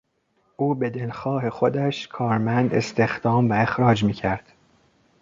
او به دلخواه خودش کارمند استخدام و اخراج میکرد.